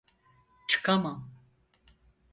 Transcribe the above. Çıkamam.